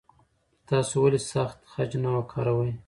تاسو ولې سخت خج نه وکاروئ؟